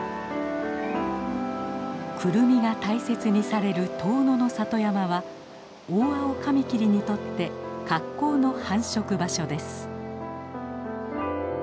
クルミが大切にされる遠野の里山はオオアオカミキリにとって格好の繁殖場所です。